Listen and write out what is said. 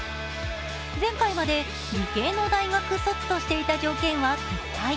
前回まで理系の大学卒としていた条件は撤廃。